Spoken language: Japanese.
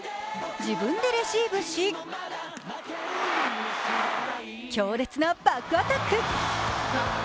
自分でレシーブし、強烈なバックアタック。